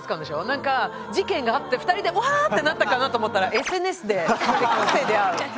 なんか事件があって２人でわーってなったかなと思ったらＳＮＳで出会う。